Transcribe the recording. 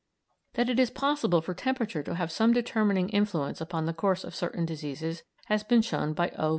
That it is possible for temperature to have some determining influence upon the course of certain diseases has been shown by O.